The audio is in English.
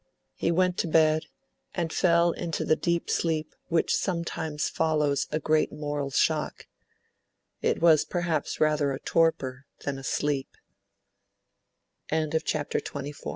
He went to bed, and fell into the deep sleep which sometimes follows a great moral shock. It was perhaps rather a torpor than a sleep. XXV. LAPHAM awoke confused, and in a kind